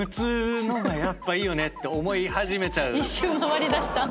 一周回りだした。